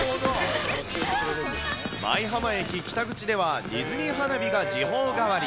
舞浜駅北口では、ディズニー花火が時報代わり。